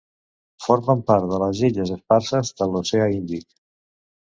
Formen part de les Illes Esparses de l'Oceà Índic.